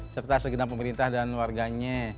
serta segenap pemerintah dan warganya